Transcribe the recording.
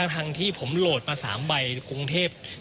ทั้งที่ผมโหลดมา๓ใบกรุงเทพ